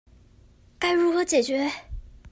該如何解決